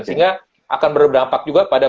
sehingga akan berdampak juga pada